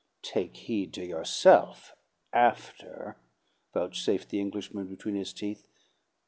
"Take heed to yourself after!" vouchsafed the Englishman between his teeth.